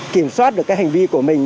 kiểm soát được cái hành vi của mình